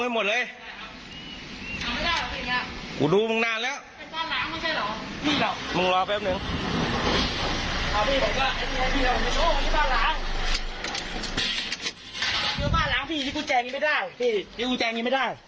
พี่อะไร